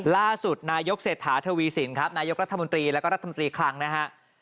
ล่าสุดนายกเศรษฐาทวีสินครับนายกรัฐมนตรีแล้วก็รัฐมนตรีคลังนะฮะ